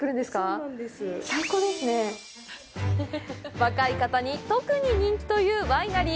若い方に特に人気というワイナリー！